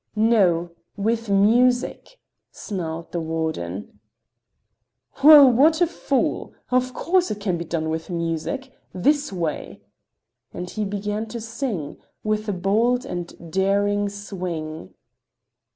"No, with music," snarled the warden. "Well, what a fool! Of course it can be done with music. This way!" and he began to sing, with a bold and daring swing.